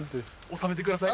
納めてください。